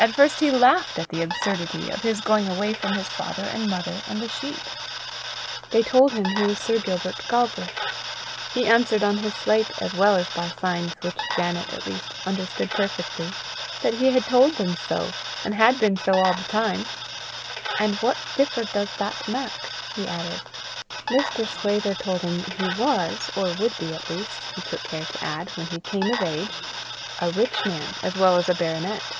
At first he laughed at the absurdity of his going away from his father and mother and the sheep. They told him he was Sir Gilbert Galbraith. He answered on his slate, as well as by signs which Janet at least understood perfectly, that he had told them so, and had been so all the time, "and what differ does that mak?" he added. Mr. Sclater told him he was or would be, at least, he took care to add, when he came of age a rich man as well as a baronet.